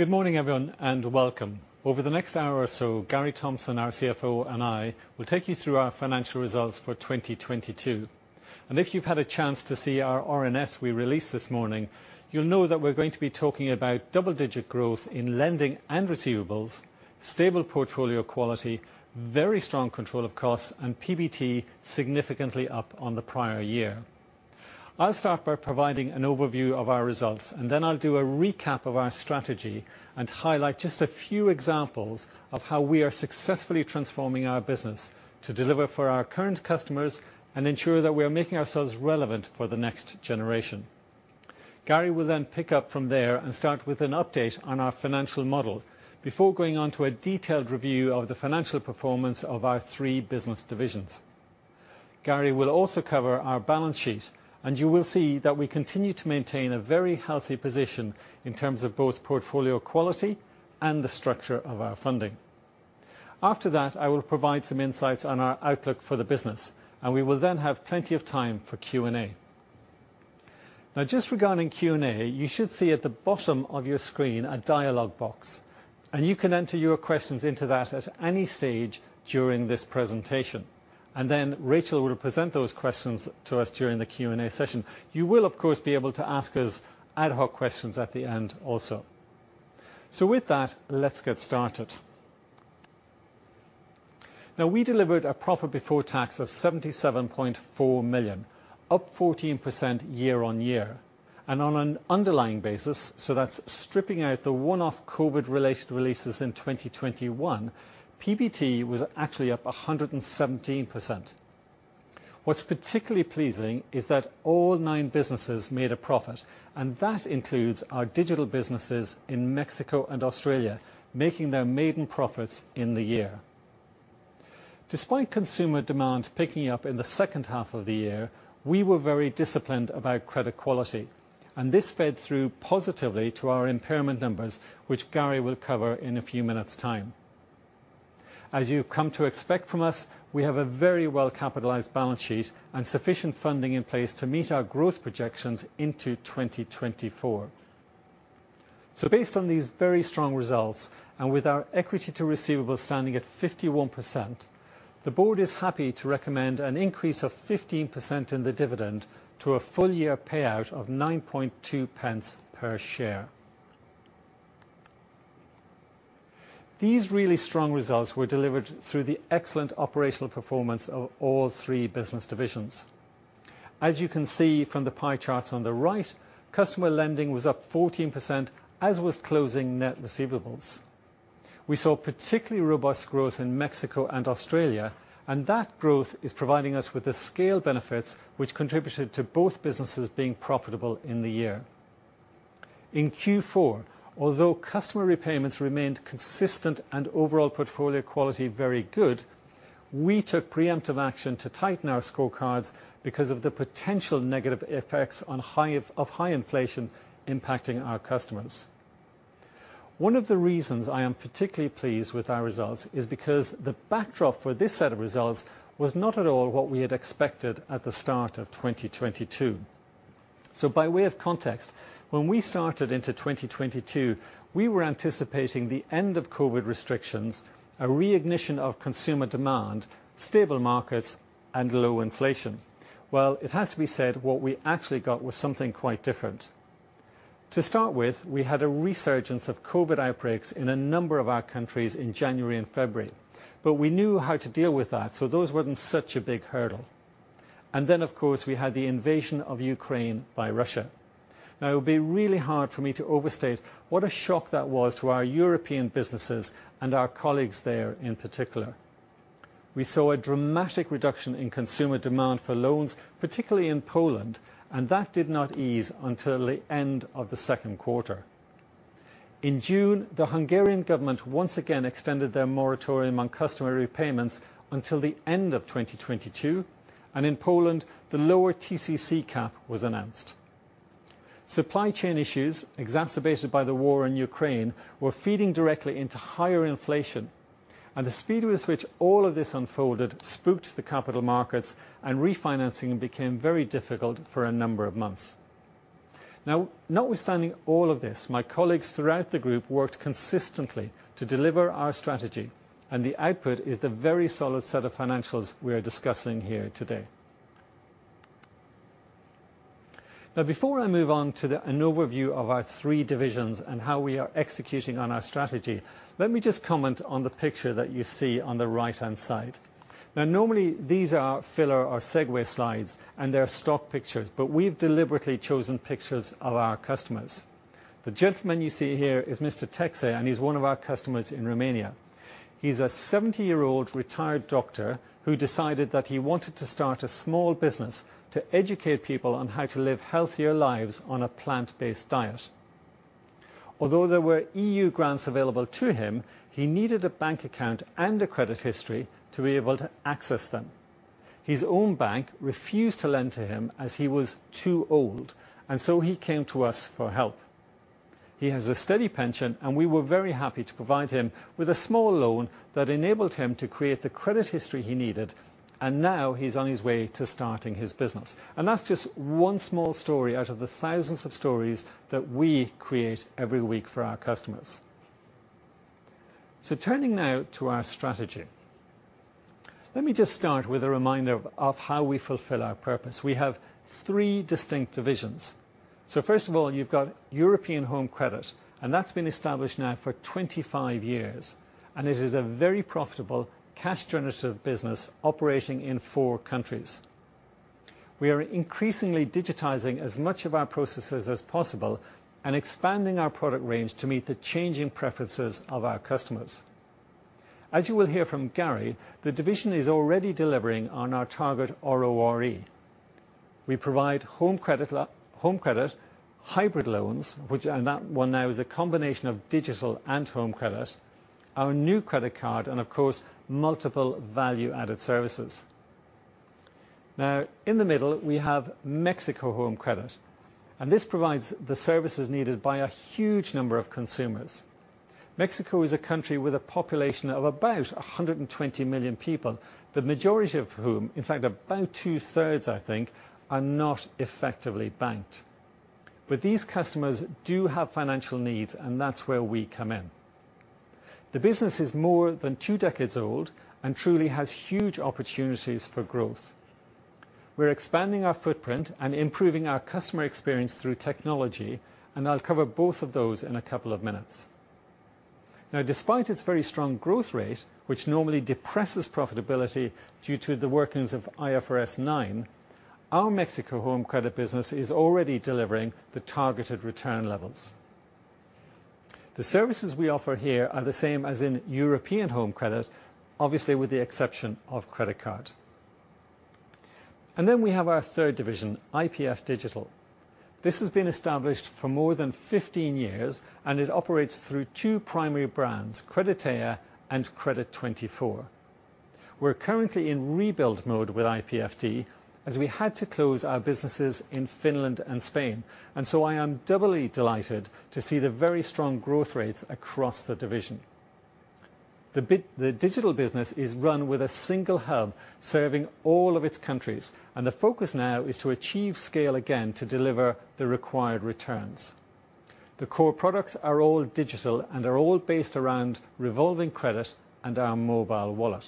Good morning everyone, and welcome. Over the next hour or so, Gary Thompson, our CFO, and I will take you through our financial results for 2022. If you've had a chance to see our RNS we released this morning, you'll know that we're going to be talking about double-digit growth in lending and receivables, stable portfolio quality, very strong control of costs, and PBT significantly up on the prior year. I'll start by providing an overview of our results, and then I'll do a recap of our strategy and highlight just a few examples of how we are successfully transforming our business to deliver for our current customers and ensure that we are making ourselves relevant for the next generation. Gary will pick up from there and start with an update on our financial model before going on to a detailed review of the financial performance of our three business divisions. Gary will also cover our balance sheet, you will see that we continue to maintain a very healthy position in terms of both portfolio quality and the structure of our funding. After that, I will provide some insights on our outlook for the business, and we will then have plenty of time for Q&A. Just regarding Q&A, you should see at the bottom of your screen a dialog box, and you can enter your questions into that at any stage during this presentation. Rachel will present those questions to us during the Q&A session. You will, of course, be able to ask us ad hoc questions at the end also. With that, let's get started. We delivered a profit before tax of 77.4 million, up 14% year-over-year and on an underlying basis, that's stripping out the one-off COVID-19 related releases in 2021, PBT was actually up 117%. What's particularly pleasing is that all nine businesses made a profit, that includes our digital businesses in Mexico and Australia making their maiden profits in the year. Despite consumer demand picking up in the second half of the year, we were very disciplined about credit quality, this fed through positively to our impairment numbers, which Gary Thompson will cover in a few minutes time. As you've come to expect from us, we have a very well-capitalized balance sheet and sufficient funding in place to meet our growth projections into 2024. Based on these very strong results, and with our equity to receivables standing at 51%, the board is happy to recommend an increase of 15% in the dividend to a full year payout of 0.092 per share. These really strong results were delivered through the excellent operational performance of all three business divisions. As you can see from the pie charts on the right, customer lending was up 14%, as was closing net receivables. We saw particularly robust growth in Mexico and Australia, and that growth is providing us with the scale benefits which contributed to both businesses being profitable in the year. In Q4, although customer repayments remained consistent and overall portfolio quality very good, we took preemptive action to tighten our scorecards because of the potential negative effects of high inflation impacting our customers. One of the reasons I am particularly pleased with our results is because the backdrop for this set of results was not at all what we had expected at the start of 2022. By way of context, when we started into 2022, we were anticipating the end of COVID restrictions, a reignition of consumer demand, stable markets and low inflation. It has to be said, what we actually got was something quite different. To start with, we had a resurgence of COVID outbreaks in a number of our countries in January and February, but we knew how to deal with that, so those weren't such a big hurdle. Then, of course, we had the invasion of Ukraine by Russia. It would be really hard for me to overstate what a shock that was to our European businesses and our colleagues there in particular. We saw a dramatic reduction in consumer demand for loans, particularly in Poland, and that did not ease until the end of the second quarter. In June, the Hungarian government once again extended their moratorium on customer repayments until the end of 2022, and in Poland the lower TCC cap was announced. Supply chain issues exacerbated by the war in Ukraine were feeding directly into higher inflation, and the speed with which all of this unfolded spooked the capital markets and refinancing became very difficult for a number of months. Now, notwithstanding all of this, my colleagues throughout the group worked consistently to deliver our strategy and the output is the very solid set of financials we are discussing here today. Now, before I move on to an overview of our three divisions and how we are executing on our strategy, let me just comment on the picture that you see on the right-hand side. Now, normally these are filler or segue slides and they're stock pictures, but we've deliberately chosen pictures of our customers. The gentleman you see here is Mr. Texe, and he's one of our customers in Romania. He's a 70-year-old retired doctor who decided that he wanted to start a small business to educate people on how to live healthier lives on a plant based diet. Although there were EU grants available to him, he needed a bank account and a credit history to be able to access them. His own bank refused to lend to him as he was too old and so he came to us for help. He has a steady pension and we were very happy to provide him with a small loan that enabled him to create the credit history he needed. Now he's on his way to starting his business. That's just one small story out of the thousands of stories that we create every week for our customers. Turning now to our strategy. Let me just start with a reminder of how we fulfill our purpose. We have three distinct divisions. First of all, you've got European Home Credit, and that's been established now for 25 years, and it is a very profitable cash generative business operating in four countries. We are increasingly digitizing as much of our processes as possible and expanding our product range to meet the changing preferences of our customers. As you will hear from Gary, the division is already delivering on our target RORE. We provide home credit, hybrid loans, which, and that one now is a combination of digital and home credit, our new credit card and of course, multiple value-added services. Now, in the middle, we have Mexico Home Credit, and this provides the services needed by a huge number of consumers. Mexico is a country with a population of about 120 million people, the majority of whom, in fact, about two-thirds, I think, are not effectively banked. These customers do have financial needs, and that's where we come in. The business is more than two decades old and truly has huge opportunities for growth. We're expanding our footprint and improving our customer experience through technology, and I'll cover both of those in a couple of minutes. Now, despite its very strong growth rate, which normally depresses profitability due to the workings of IFRS9, our Mexico home credit business is already delivering the targeted return levels. The services we offer here are the same as in European home credit, obviously with the exception of credit card. Then we have our third division, IPF Digital. This has been established for more than 15 years, and it operates through two primary brands, Creditea and Credit24. We're currently in rebuild mode with IPFD as we had to close our businesses in Finland and Spain, so I am doubly delighted to see the very strong growth rates across the division. The digital business is run with a single hub serving all of its countries, the focus now is to achieve scale again to deliver the required returns. The core products are all digital and are all based around revolving credit and our mobile wallet.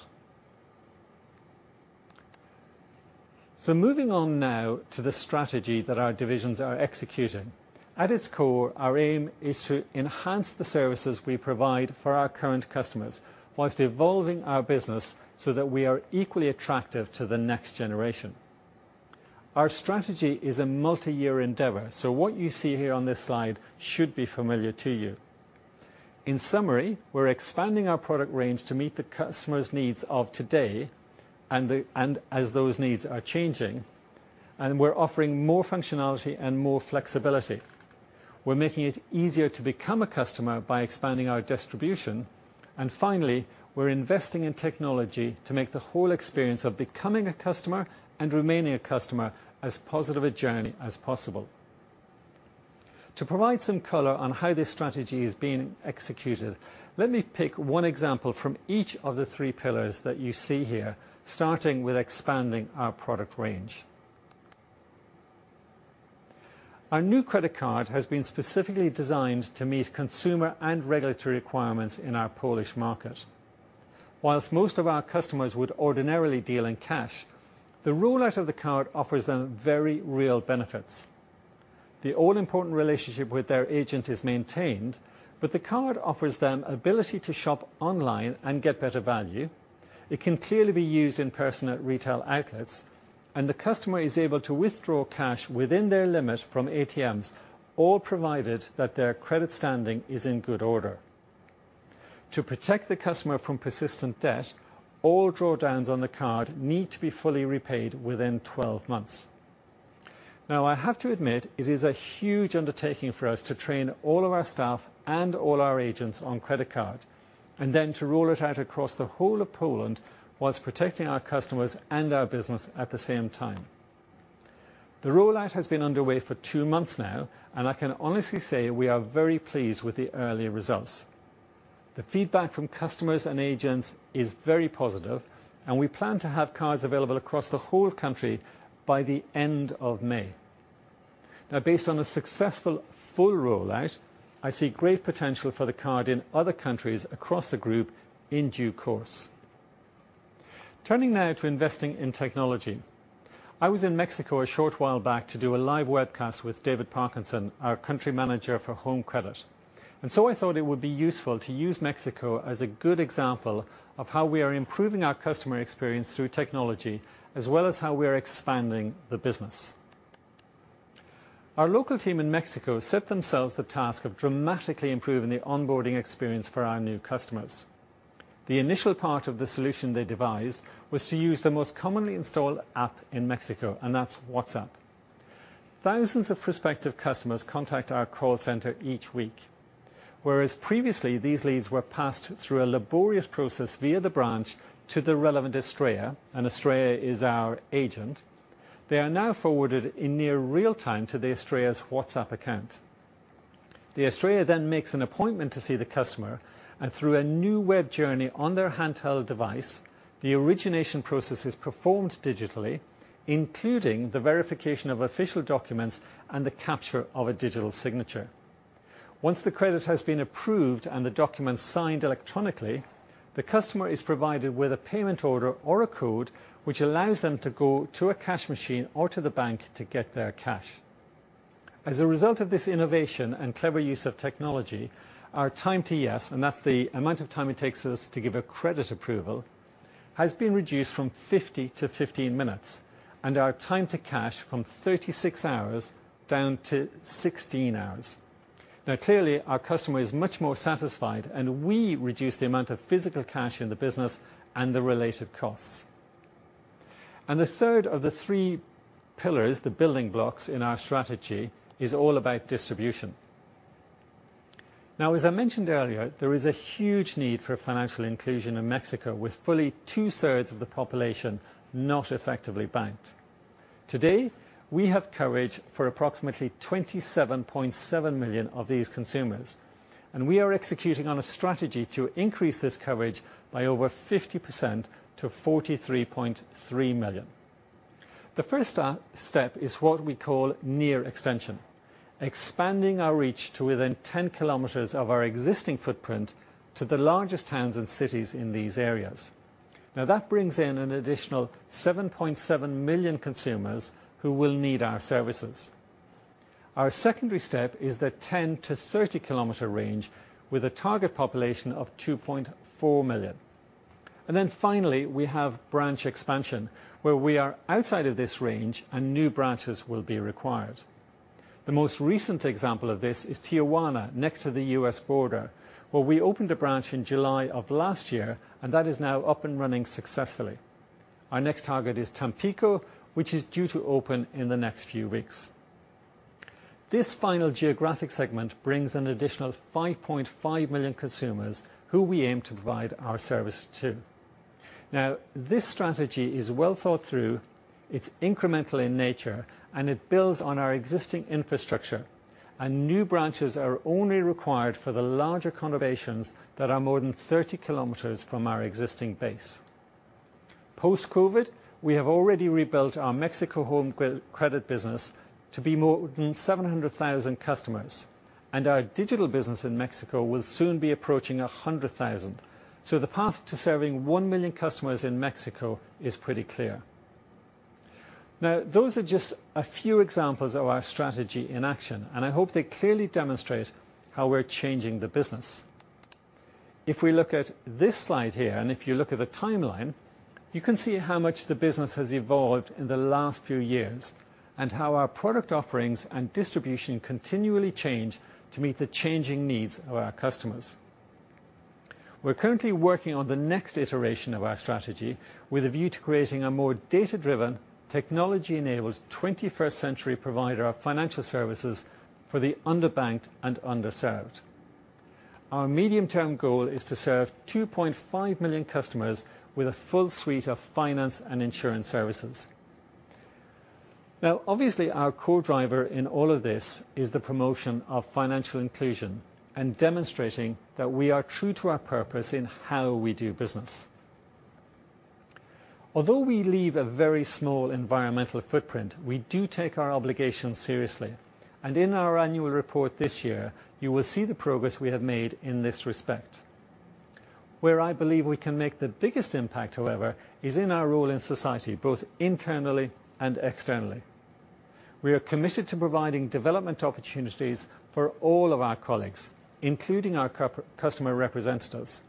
Moving on now to the strategy that our divisions are executing. At its core, our aim is to enhance the services we provide for our current customers while evolving our business so that we are equally attractive to the next generation. Our strategy is a multi-year endeavor, so what you see here on this slide should be familiar to you. In summary, we're expanding our product range to meet the customer's needs of today and as those needs are changing. We're offering more functionality and more flexibility. We're making it easier to become a customer by expanding our distribution. Finally, we're investing in technology to make the whole experience of becoming a customer and remaining a customer as positive a journey as possible. To provide some color on how this strategy is being executed, let me pick one example from each of the three pillars that you see here, starting with expanding our product range. Our new credit card has been specifically designed to meet consumer and regulatory requirements in our Polish market. Whilst most of our customers would ordinarily deal in cash, the rollout of the card offers them very real benefits. The all-important relationship with their agent is maintained, but the card offers them ability to shop online and get better value. It can clearly be used in person at retail outlets, and the customer is able to withdraw cash within their limit from ATMs, all provided that their credit standing is in good order. To protect the customer from persistent debt, all drawdowns on the card need to be fully repaid within 12 months. I have to admit it is a huge undertaking for us to train all of our staff and all our agents on credit card and then to roll it out across the whole of Poland whilst protecting our customers and our business at the same time. The rollout has been underway for two months now, and I can honestly say we are very pleased with the early results. The feedback from customers and agents is very positive, and we plan to have cards available across the whole country by the end of May. Based on a successful full rollout, I see great potential for the card in other countries across the group in due course. Turning now to investing in technology. I was in Mexico a short while back to do a live webcast with David Parkinson, our Country Manager for Home Credit. I thought it would be useful to use Mexico as a good example of how we are improving our customer experience through technology as well as how we are expanding the business. Our local team in Mexico set themselves the task of dramatically improving the onboarding experience for our new customers. The initial part of the solution they devised was to use the most commonly installed app in Mexico. That's WhatsApp. Thousands of prospective customers contact our call center each week. Whereas previously these leads were passed through a laborious process via the branch to the relevant Estrella. Estrella is our agent. They are now forwarded in near real time to the Estrella's WhatsApp account. Estrella makes an appointment to see the customer, and through a new web journey on their handheld device, the origination process is performed digitally, including the verification of official documents and the capture of a digital signature. Once the credit has been approved and the documents signed electronically, the customer is provided with a payment order or a code which allows them to go to a cash machine or to the bank to get their cash. As a result of this innovation and clever use of technology, our time to yes, and that's the amount of time it takes us to give a credit approval, has been reduced from 50 to 15 minutes, and our time to cash from 36 hours down to 16 hours. Clearly, our customer is much more satisfied, and we reduce the amount of physical cash in the business and the related costs. The third of the three pillars, the building blocks in our strategy, is all about distribution. As I mentioned earlier, there is a huge need for financial inclusion in Mexico, with fully two-thirds of the population not effectively banked. Today, we have coverage for approximately 27.7 million of these consumers, and we are executing on a strategy to increase this coverage by over 50% to 43.3 million. The first step is what we call near extension, expanding our reach to within 10 kilometers of our existing footprint to the largest towns and cities in these areas. That brings in an additional 7.7 million consumers who will need our services. Our secondary step is the 10-30 kilometer range with a target population of 2.4 million. Finally, we have branch expansion, where we are outside of this range and new branches will be required. The most recent example of this is Tijuana, next to the U.S. border, where we opened a branch in July of last year and that is now up and running successfully. Our next target is Tampico, which is due to open in the next few weeks. This final geographic segment brings an additional 5.5 million consumers who we aim to provide our service to. This strategy is well thought through, it's incremental in nature, and it builds on our existing infrastructure. New branches are only required for the larger conurbations that are more than 30 kilometers from our existing base. Post-COVID, we have already rebuilt our Mexico home credit business to be more than 700,000 customers. Our digital business in Mexico will soon be approaching 100,000. The path to serving 1 million customers in Mexico is pretty clear. Those are just a few examples of our strategy in action, and I hope they clearly demonstrate how we're changing the business. If we look at this slide here, and if you look at the timeline, you can see how much the business has evolved in the last few years and how our product offerings and distribution continually change to meet the changing needs of our customers. We're currently working on the next iteration of our strategy with a view to creating a more data-driven, technology-enabled twenty-first century provider of financial services for the underbanked and underserved. Our medium-term goal is to serve 2.5 million customers with a full suite of finance and insurance services. Obviously, our core driver in all of this is the promotion of financial inclusion and demonstrating that we are true to our purpose in how we do business. Although we leave a very small environmental footprint, we do take our obligations seriously, and in our annual report this year, you will see the progress we have made in this respect. Where I believe we can make the biggest impact, however, is in our role in society, both internally and externally. We are committed to providing development opportunities for all of our colleagues, including our customer representatives,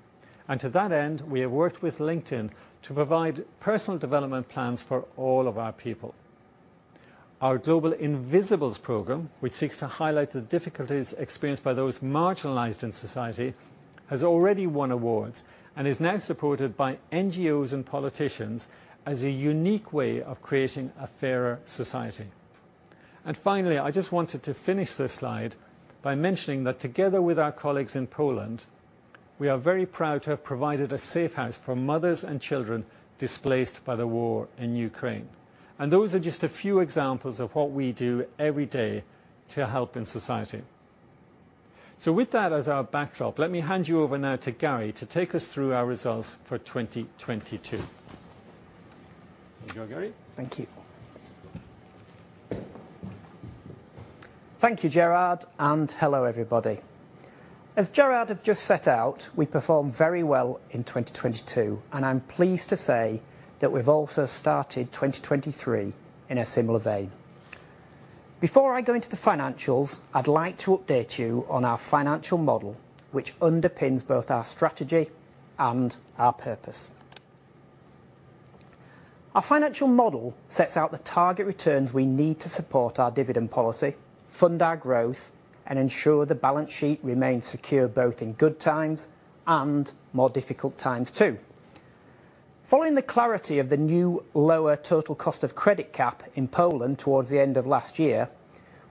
and to that end, we have worked with LinkedIn to provide personal development plans for all of our people. Our Global Invisibles program, which seeks to highlight the difficulties experienced by those marginalized in society, has already won awards and is now supported by NGOs and politicians as a unique way of creating a fairer society. Finally, I just wanted to finish this slide by mentioning that together with our colleagues in Poland, we are very proud to have provided a safe house for mothers and children displaced by the war in Ukraine. Those are just a few examples of what we do every day to help in society. With that as our backdrop, let me hand you over now to Gary to take us through our results for 2022. Enjoy, Gary. Thank you. Thank you, Gerard. Hello, everybody. As Gerard has just set out, we performed very well in 2022. I'm pleased to say that we've also started 2023 in a similar vein. Before I go into the financials, I'd like to update you on our financial model, which underpins both our strategy and our purpose. Our financial model sets out the target returns we need to support our dividend policy, fund our growth, and ensure the balance sheet remains secure both in good times and more difficult times too. Following the clarity of the new lower total cost of credit cap in Poland towards the end of last year,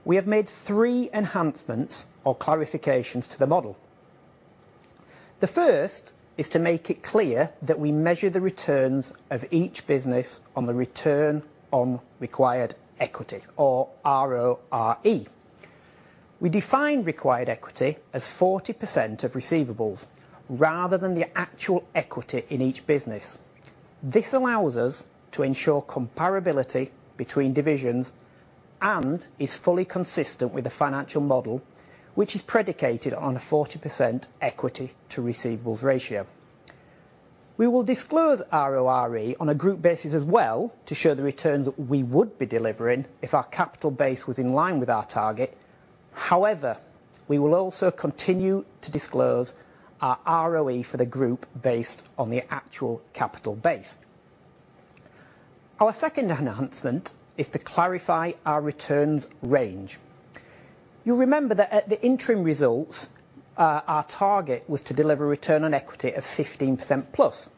we have made three enhancements or clarifications to the model. The first is to make it clear that we measure the returns of each business on the return on required equity, or RORE. We define required equity as 40% of receivables rather than the actual equity in each business. This allows us to ensure comparability between divisions and is fully consistent with the financial model, which is predicated on a 40% equity to receivables ratio. We will disclose RORE on a group basis as well to show the returns that we would be delivering if our capital base was in line with our target. We will also continue to disclose our ROE for the group based on the actual capital base. Our second enhancement is to clarify our returns range. You'll remember that at the interim results, our target was to deliver return on equity of 15% plus.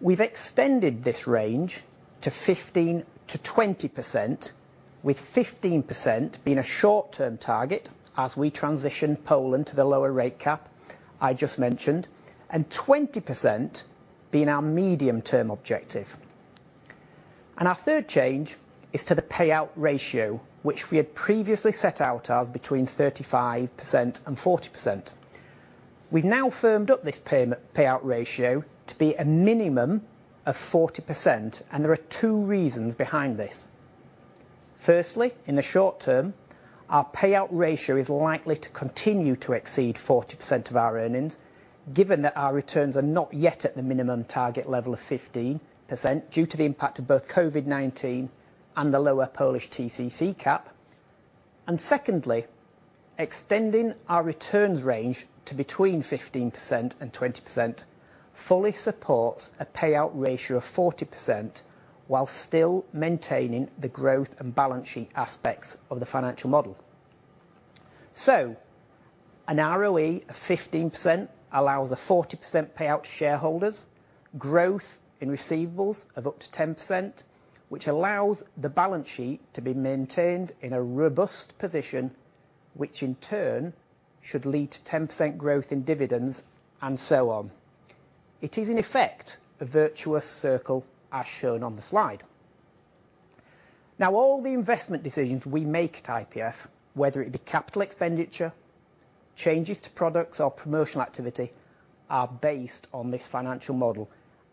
We've extended this range to 15%-20%, with 15% being a short-term target as we transition Poland to the lower rate cap I just mentioned, and 20% being our medium-term objective. Our third change is to the payout ratio, which we had previously set out as between 35% and 40%. We've now firmed up this payout ratio to be a minimum of 40%. There are two reasons behind this. Firstly, in the short term, our payout ratio is likely to continue to exceed 40% of our earnings, given that our returns are not yet at the minimum target level of 15% due to the impact of both COVID-19 and the lower Polish TCC cap. Secondly, extending our returns range to between 15% and 20% fully supports a payout ratio of 40% while still maintaining the growth and balance sheet aspects of the financial model. An ROE of 15% allows a 40% payout to shareholders, growth in receivables of up to 10%, which allows the balance sheet to be maintained in a robust position, which in turn should lead to 10% growth in dividends and so on. It is in effect a virtuous circle, as shown on the slide. All the investment decisions we make at IPF, whether it be capital expenditure, changes to products or promotional activity, are based on this financial model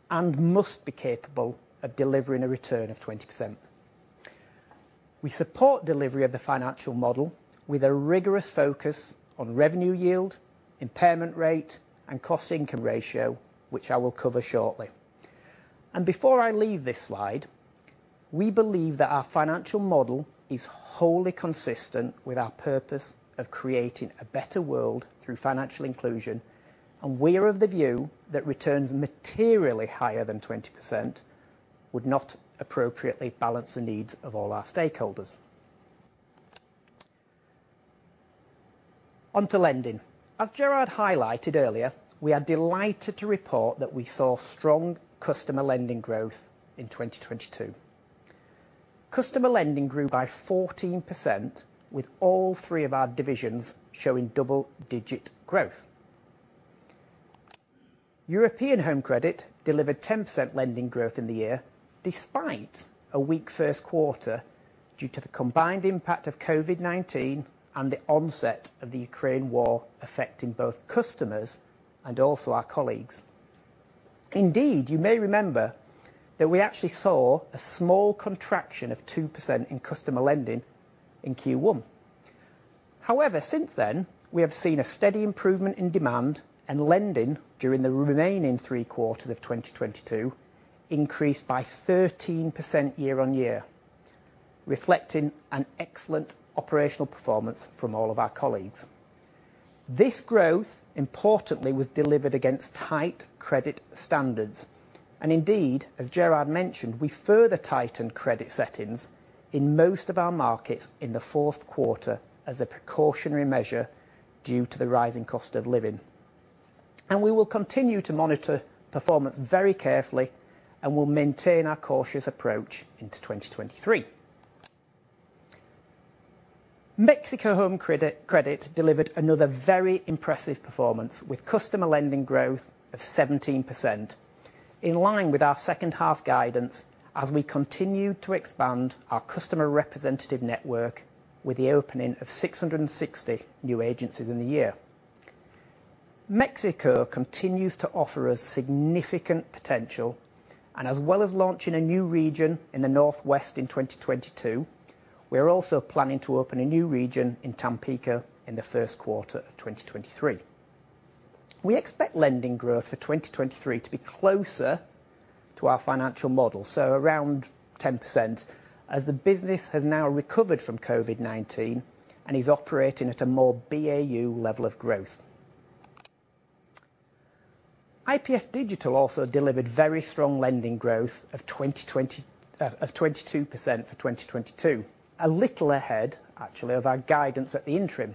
and must be capable of delivering a return of 20%. We support delivery of the financial model with a rigorous focus on revenue yield, impairment rate, and cost-income ratio, which I will cover shortly. Before I leave this slide, we believe that our financial model is wholly consistent with our purpose of creating a better world through financial inclusion, and we are of the view that returns materially higher than 20% would not appropriately balance the needs of all our stakeholders. On to lending. As Gerard highlighted earlier, we are delighted to report that we saw strong customer lending growth in 2022. Customer lending grew by 14% with all three of our divisions showing double-digit growth. European home credit delivered 10% lending growth in the year despite a weak first quarter due to the combined impact of COVID-19 and the onset of the Ukraine War affecting both customers and also our colleagues. Indeed, you may remember that we actually saw a small contraction of 2% in customer lending in Q1. Since then, we have seen a steady improvement in demand and lending during the remaining three quarters of 2022 increased by 13% year-on-year, reflecting an excellent operational performance from all of our colleagues. This growth, importantly, was delivered against tight credit standards. Indeed, as Gerard mentioned, we further tightened credit settings in most of our markets in the fourth quarter as a precautionary measure due to the rising cost of living. We will continue to monitor performance very carefully and will maintain our cautious approach into 2023. Mexico home credit delivered another very impressive performance with customer lending growth of 17%, in line with our second half guidance as we continued to expand our customer representative network with the opening of 660 new agencies in the year. Mexico continues to offer us significant potential, and as well as launching a new region in the northwest in 2022, we are also planning to open a new region in Tampico in the first quarter of 2023. We expect lending growth for 2023 to be closer to our financial model, so around 10%, as the business has now recovered from COVID-19 and is operating at a more BAU level of growth. IPF Digital also delivered very strong lending growth of 22% for 2022, a little ahead actually of our guidance at the interim.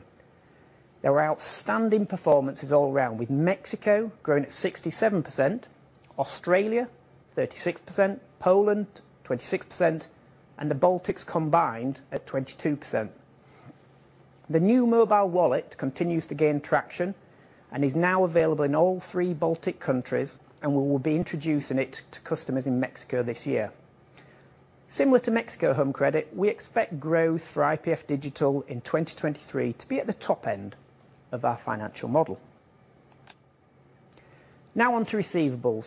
There were outstanding performances all around, with Mexico growing at 67%, Australia 36%, Poland 26%, and the Baltics combined at 22%. The new mobile wallet continues to gain traction and is now available in all three Baltic countries. We will be introducing it to customers in Mexico this year. Similar to Mexico home credit, we expect growth for IPF Digital in 2023 to be at the top end of our financial model. On to receivables.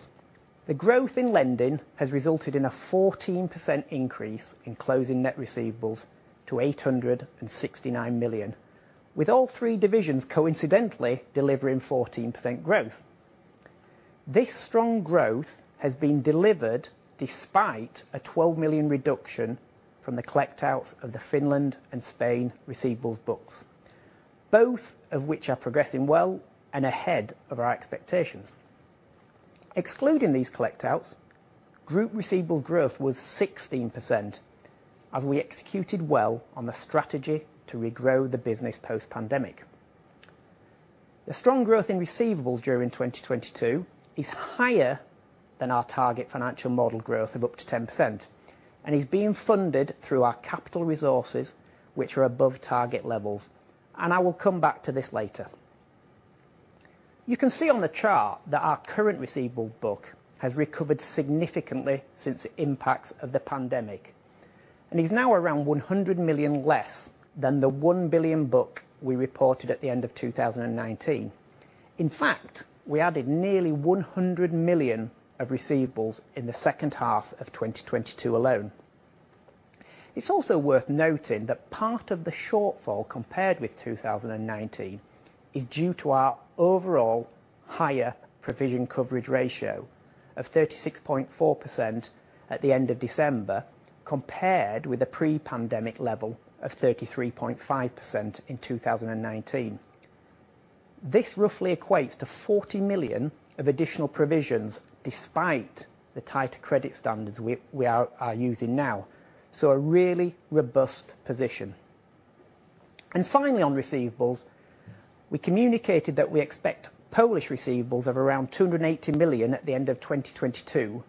The growth in lending has resulted in a 14% increase in closing net receivables to 869 million, with all three divisions coincidentally delivering 14% growth. This strong growth has been delivered despite a 12 million reduction from the collect outs of the Finland and Spain receivables books, both of which are progressing well and ahead of our expectations. Excluding these collect outs, group receivable growth was 16% as we executed well on the strategy to regrow the business post-pandemic. The strong growth in receivables during 2022 is higher than our target financial model growth of up to 10% and is being funded through our capital resources which are above target levels. I will come back to this later. You can see on the chart that our current receivable book has recovered significantly since the impacts of the pandemic and is now around 100 million, less than the 1 billion book we reported at the end of 2019. In fact, we added nearly 100 million of receivables in the second half of 2022 alone. It's also worth noting that part of the shortfall compared with 2019 is due to our overall higher Provision Coverage Ratio of 36.4% at the end of December, compared with the pre-pandemic level of 33.5% in 2019. This roughly equates to 40 million of additional provisions, despite the tighter credit standards we are using now. A really robust position. Finally, on receivables, we communicated that we expect Polish receivables of around 280 million at the end of 2022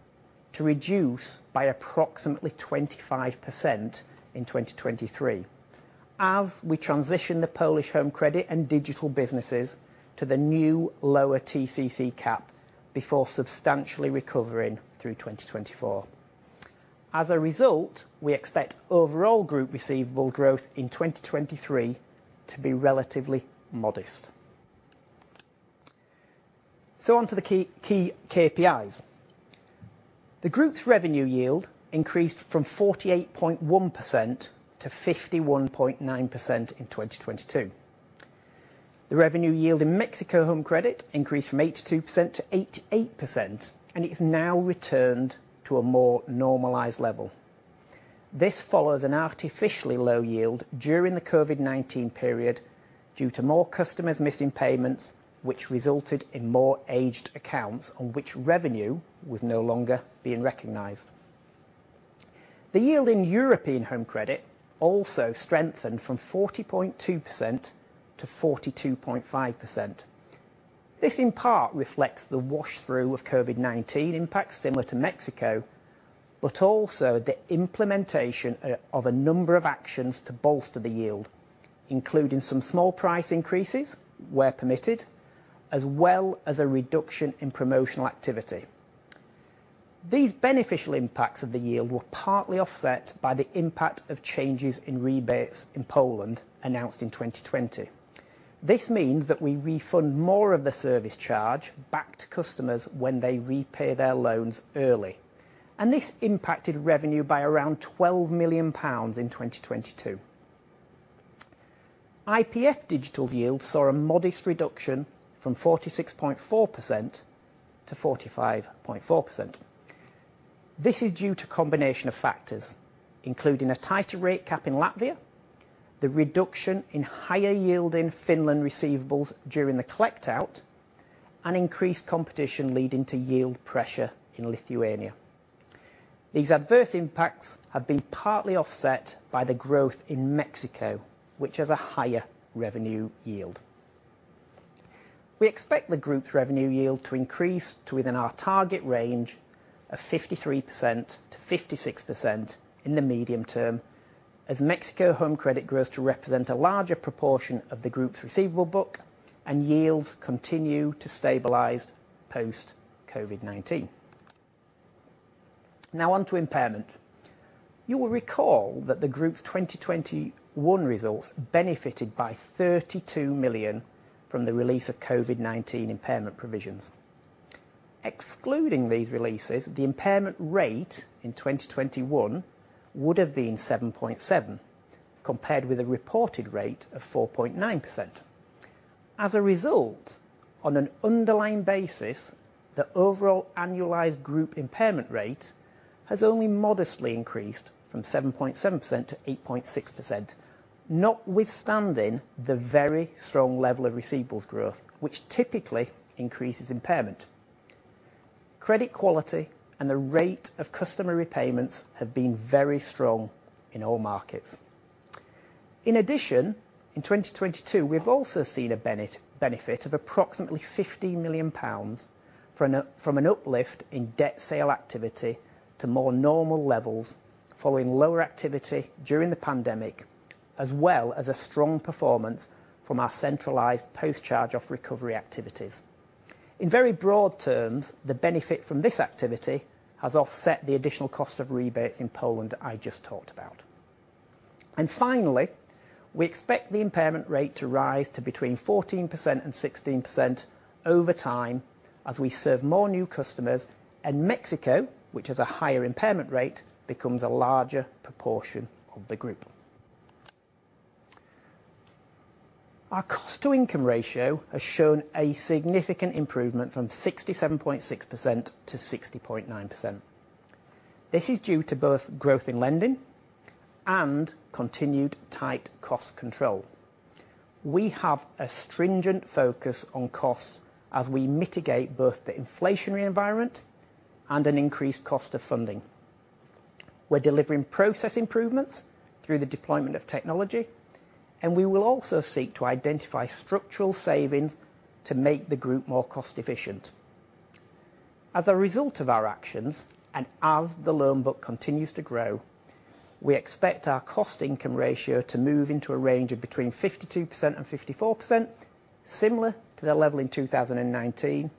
to reduce by approximately 25% in 2023 as we transition the Polish home credit and digital businesses to the new lower TCC cap before substantially recovering through 2024. As a result, we expect overall group receivable growth in 2023 to be relatively modest. On to the key KPIs. The group's revenue yield increased from 48.1% to 51.9% in 2022. The revenue yield in Mexico Home Credit increased from 82% to 88% and is now returned to a more normalized level. This follows an artificially low yield during the COVID-19 period due to more customers missing payments, which resulted in more aged accounts on which revenue was no longer being recognized. The yield in European home credit also strengthened from 40.2% to 42.5%. This in part reflects the wash through of COVID-19 impacts similar to Mexico, but also the implementation of a number of actions to bolster the yield, including some small price increases where permitted, as well as a reduction in promotional activity. These beneficial impacts of the yield were partly offset by the impact of changes in rebates in Poland announced in 2020. This means that we refund more of the service charge back to customers when they repay their loans early, and this impacted revenue by around 12 million pounds in 2022. IPF Digital yields saw a modest reduction from 46.4% to 45.4%. This is due to a combination of factors, including a tighter rate cap in Latvia, the reduction in higher yielding Finland receivables during the collect out, and increased competition leading to yield pressure in Lithuania. These adverse impacts have been partly offset by the growth in Mexico, which has a higher revenue yield. We expect the group's revenue yield to increase to within our target range of 53%-56% in the medium term as Mexico home credit grows to represent a larger proportion of the group's receivable book and yields continue to stabilize post COVID-19. On to impairment. You will recall that the group's 2021 results benefited by 32 million from the release of COVID-19 impairment provisions. Excluding these releases, the impairment rate in 2021 would have been 7.7%, compared with a reported rate of 4.9%. On an underlying basis, the overall annualized group impairment rate has only modestly increased from 7.7% to 8.6%, notwithstanding the very strong level of receivables growth which typically increases impairment. Credit quality and the rate of customer repayments have been very strong in all markets. In addition, in 2022, we've also seen a benefit of approximately 50 million pounds from an uplift in debt sale activity to more normal levels following lower activity during the pandemic, as well as a strong performance from our centralized post-charge-off recovery activities. In very broad terms, the benefit from this activity has offset the additional cost of rebates in Poland I just talked about. Finally, we expect the impairment rate to rise to between 14% and 16% over time as we serve more new customers and Mexico, which has a higher impairment rate, becomes a larger proportion of the group. Our cost-to-income ratio has shown a significant improvement from 67.6% to 60.9%. This is due to both growth in lending and continued tight cost control. We have a stringent focus on costs as we mitigate both the inflationary environment and an increased cost of funding. We're delivering process improvements through the deployment of technology, and we will also seek to identify structural savings to make the group more cost efficient. As a result of our actions, and as the loan book continues to grow, we expect our cost-income ratio to move into a range of between 52% and 54%, similar to the level in 2019.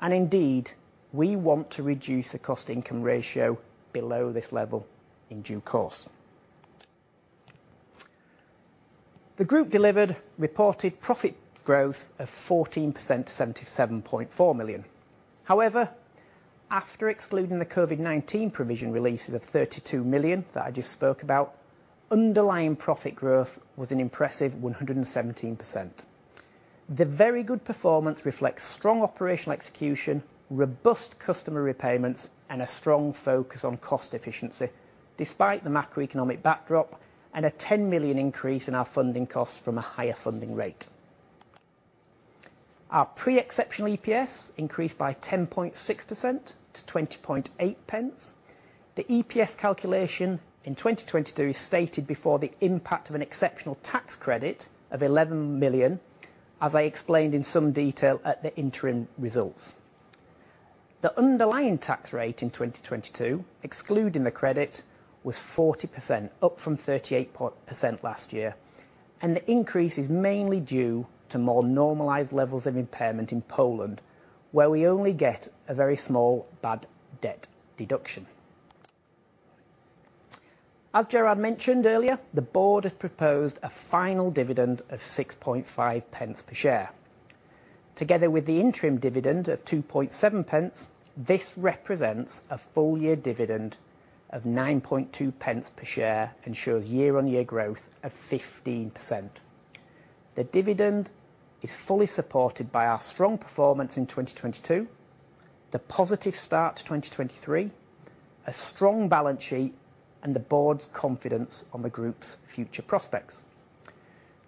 Indeed, we want to reduce the cost-income ratio below this level in due course. The group delivered reported profit growth of 14% to 77.4 million. However, after excluding the COVID-19 provision releases of 32 million that I just spoke about, underlying profit growth was an impressive 117%. The very good performance reflects strong operational execution, robust customer repayments and a strong focus on cost efficiency despite the macroeconomic backdrop and a 10 million increase in our funding costs from a higher funding rate. Our pre-exceptional EPS increased by 10.6% to 0.208. The EPS calculation in 2022 is stated before the impact of an exceptional tax credit of 11 million, as I explained in some detail at the interim results. The underlying tax rate in 2022, excluding the credit, was 40%, up from 38% last year, and the increase is mainly due to more normalized levels of impairment in Poland, where we only get a very small bad debt deduction. As Gerard mentioned earlier, the board has proposed a final dividend of 0.065 per share. Together with the interim dividend of 2.7 pence, this represents a full year dividend of 9.2 pence per share and shows year-on-year growth of 15%. The dividend is fully supported by our strong performance in 2022, the positive start to 2023, a strong balance sheet, and the board's confidence on the group's future prospects.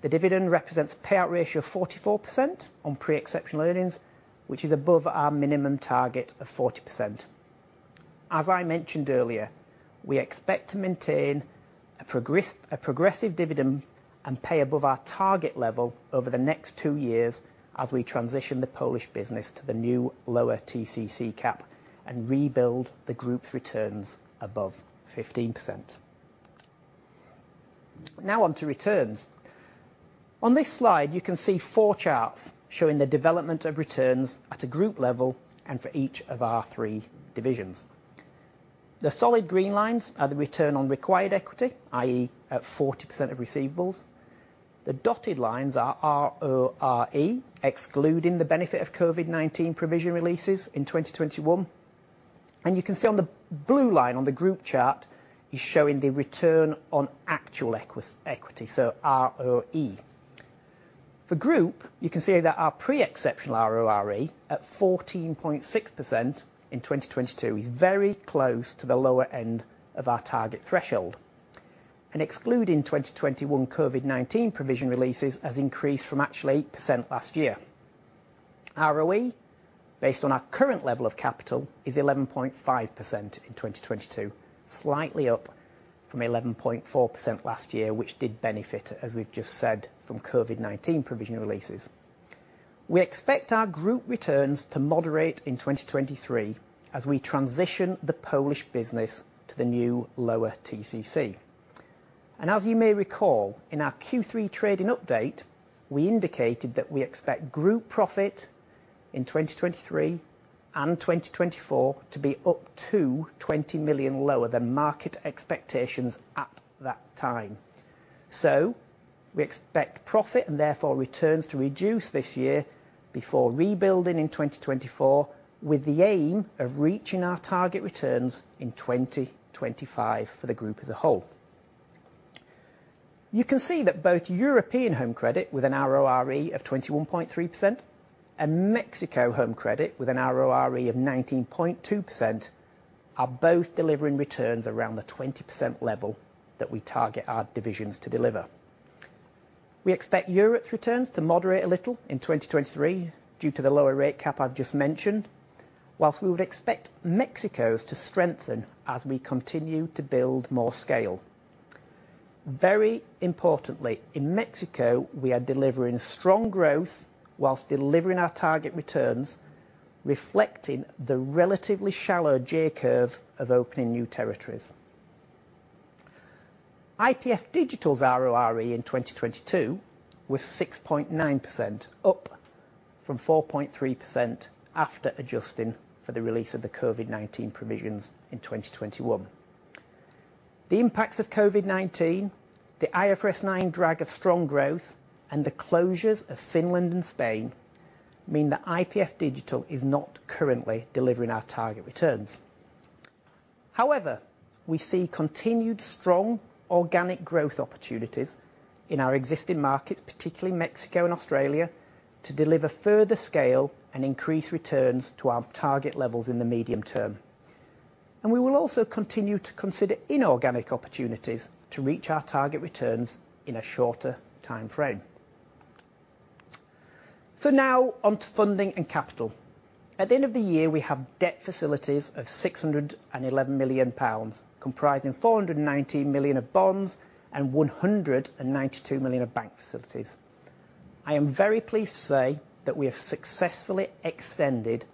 The dividend represents payout ratio of 44% on pre-exceptional earnings, which is above our minimum target of 40%. As I mentioned earlier, we expect to maintain a progressive dividend and pay above our target level over the next two years as we transition the Polish business to the new lower TCC cap and rebuild the group's returns above 15%. Now on to returns. On this slide, you can see four charts showing the development of returns at a group level and for each of our three divisions. The solid green lines are the return on required equity, i.e., at 40% of receivables. The dotted lines are RORE, excluding the benefit of COVID-19 provision releases in 2021. You can see on the blue line on the group chart is showing the return on actual equity, so ROE. For group, you can see that our pre-exceptional RORE at 14.6% in 2022 is very close to the lower end of our target threshold, and excluding 2021 COVID-19 provision releases has increased from actually 8% last year. ROE, based on our current level of capital, is 11.5% in 2022, slightly up from 11.4% last year, which did benefit, as we've just said, from COVID-19 provision releases. We expect our group returns to moderate in 2023 as we transition the Polish business to the new lower TCC. As you may recall, in our Q3 trading update, we indicated that we expect group profit in 2023 and 2024 to be up to 20 million lower than market expectations at that time. We expect profit and therefore returns to reduce this year before rebuilding in 2024, with the aim of reaching our target returns in 2025 for the group as a whole. You can see that both European home credit with an RORE of 21.3% and Mexico home credit with an RORE of 19.2% are both delivering returns around the 20% level that we target our divisions to deliver. We expect Europe's returns to moderate a little in 2023 due to the lower rate cap I've just mentioned, whilst we would expect Mexico's to strengthen as we continue to build more scale. Very importantly, in Mexico, we are delivering strong growth whilst delivering our target returns, reflecting the relatively shallow J-curve of opening new territories. IPF Digital's RORE in 2022 was 6.9%, up from 4.3% after adjusting for the release of the COVID-19 provisions in 2021. The impacts of COVID-19, the IFRS 9 drag of strong growth, and the closures of Finland and Spain mean that IPF Digital is not currently delivering our target returns. We see continued strong organic growth opportunities in our existing markets, particularly Mexico and Australia, to deliver further scale and increase returns to our target levels in the medium term. We will also continue to consider inorganic opportunities to reach our target returns in a shorter timeframe. Now on to funding and capital. At the end of the year, we have debt facilities of 611 million pounds, comprising 419 million of bonds and 192 million of bank facilities. I am very pleased to say that we have successfully extended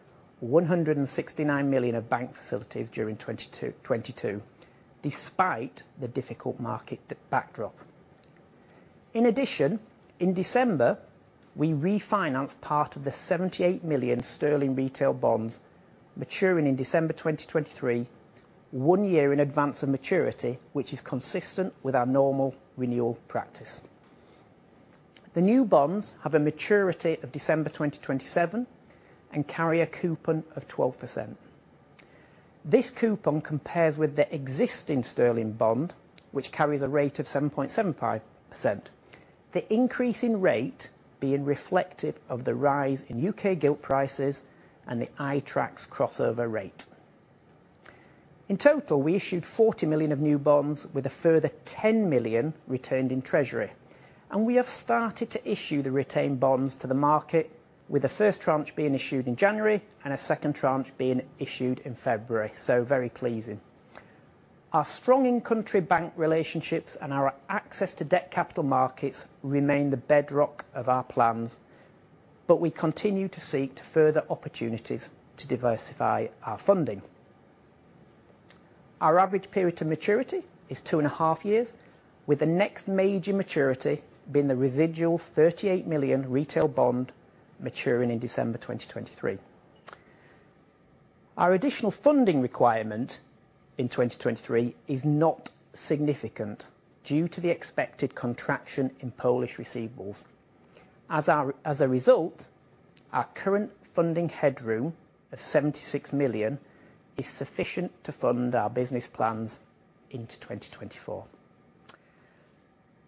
169 million of bank facilities during 2022, despite the difficult market backdrop. In addition, in December, we refinanced part of the 78 million sterling retail bonds maturing in December 2023, one year in advance of maturity, which is consistent with our normal renewal practice. The new bonds have a maturity of December 2027 and carry a coupon of 12%. This coupon compares with the existing sterling bond which carries a rate of 7.75%, the increase in rate being reflective of the rise in UK gilt prices and the iTraxx Crossover rate. In total, we issued 40 million of new bonds with a further 10 million retained in treasury, and we have started to issue the retained bonds to the market, with the first tranche being issued in January and a second tranche being issued in February, so very pleasing. Our strong in-country bank relationships and our access to debt capital markets remain the bedrock of our plans, but we continue to seek further opportunities to diversify our funding. Our average period to maturity is two and a half years, with the next major maturity being the residual 38 million retail bond maturing in December 2023. Our additional funding requirement in 2023 is not significant due to the expected contraction in Polish receivables. As a result, our current funding headroom of 76 million is sufficient to fund our business plans into 2024.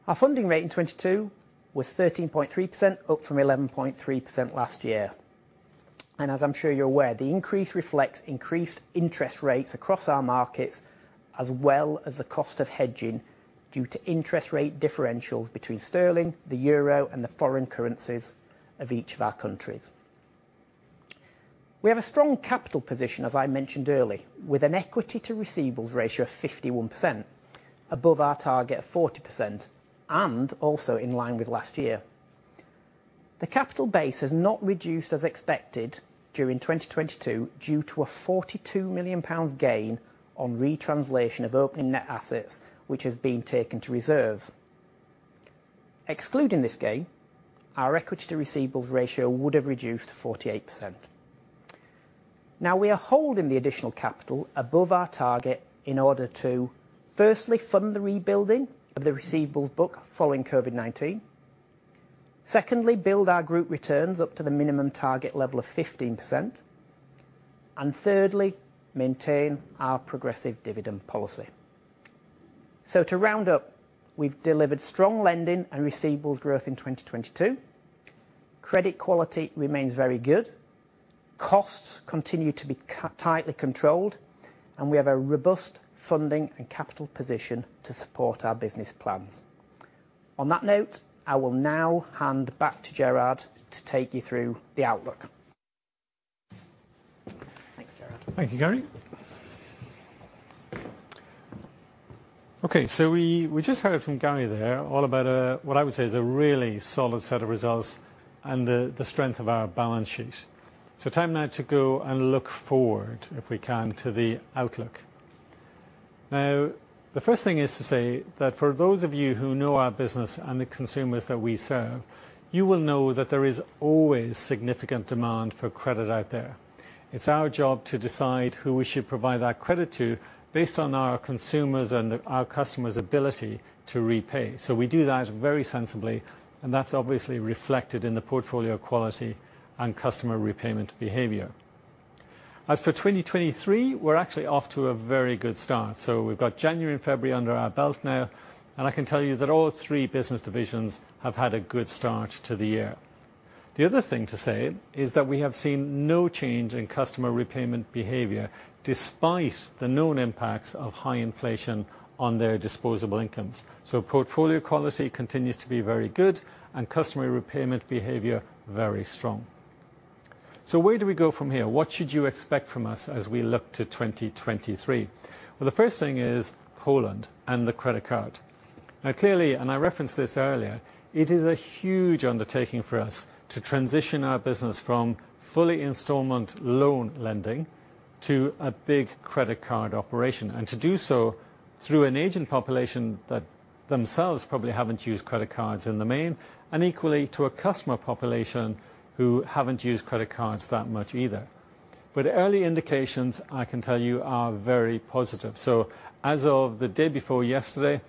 Our funding rate in 2022 was 13.3%, up from 11.3% last year. As I'm sure you're aware, the increase reflects increased interest rates across our markets as well as the cost of hedging due to interest rate differentials between sterling, the euro, and the foreign currencies of each of our countries. We have a strong capital position, as I mentioned earlier, with an equity to receivables ratio of 51% above our target of 40% and also in line with last year. The capital base has not reduced as expected during 2022 due to a 42 million pounds gain on retranslation of opening net assets which has been taken to reserves. Excluding this gain, our equity to receivables ratio would have reduced to 48%. We are holding the additional capital above our target in order to, firstly, fund the rebuilding of the receivables book following COVID-19. Secondly, build our group returns up to the minimum target level of 15%. Thirdly, maintain our progressive dividend policy. To round up, we've delivered strong lending and receivables growth in 2022. Credit quality remains very good. Costs continue to be tightly controlled. We have a robust funding and capital position to support our business plans. On that note, I will now hand back to Gerard to take you through the outlook. Thanks, Gerard. Thank you, Gary. We just heard from Gary there all about a, what I would say is a really solid set of results and the strength of our balance sheet. Time now to go and look forward, if we can, to the outlook. The first thing is to say that for those of you who know our business and the consumers that we serve, you will know that there is always significant demand for credit out there. It's our job to decide who we should provide that credit to based on our consumers' and our customers' ability to repay. We do that very sensibly, and that's obviously reflected in the portfolio quality and customer repayment behavior. As for 2023, we're actually off to a very good start. We've got January and February under our belt now, and I can tell you that all three business divisions have had a good start to the year. The other thing to say is that we have seen no change in customer repayment behavior despite the known impacts of high inflation on their disposable incomes. Portfolio quality continues to be very good and customer repayment behavior very strong. Where do we go from here? What should you expect from us as we look to 2023? The first thing is Poland and the credit card. Clearly, and I referenced this earlier, it is a huge undertaking for us to transition our business from fully installment loan lending to a big credit card operation. To do so through an agent population that themselves probably haven't used credit cards in the main, and equally to a customer population who haven't used credit cards that much either. Early indications, I can tell you, are very positive. As of the day before yesterday,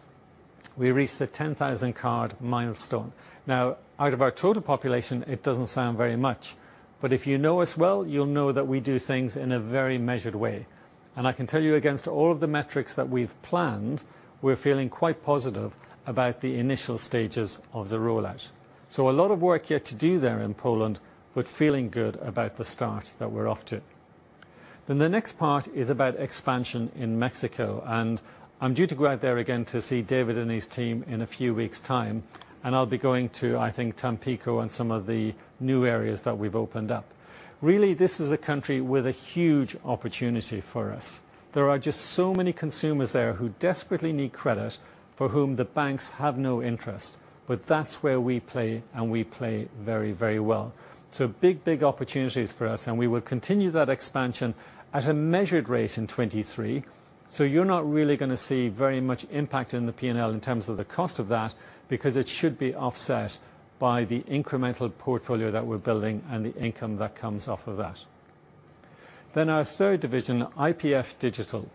we reached the 10,000 card milestone. Now, out of our total population, it doesn't sound very much. If you know us well, you'll know that we do things in a very measured way. I can tell you against all of the metrics that we've planned, we're feeling quite positive about the initial stages of the rollout. A lot of work yet to do there in Poland, but feeling good about the start that we're off to. The next part is about expansion in Mexico, and I'm due to go out there again to see David and his team in a few weeks time, and I'll be going to, I think, Tampico and some of the new areas that we've opened up. Really, this is a country with a huge opportunity for us. There are just so many consumers there who desperately need credit for whom the banks have no interest. That's where we play, and we play very, very well. Big, big opportunities for us, and we will continue that expansion at a measured rate in 2023. You're not really gonna see very much impact in the P&L in terms of the cost of that, because it should be offset by the incremental portfolio that we're building and the income that comes off of that. Our third division, IPF Digital.